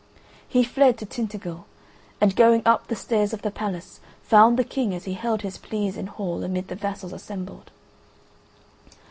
He fled to Tintagel, and going up the stairs of the palace, found the King as he held his pleas in hall amid the vassals assembled.